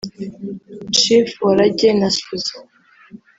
Chief Warage na Suzie